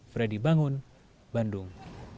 freddy bangun bandung